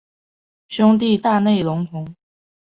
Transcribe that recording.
兄弟大内隆弘。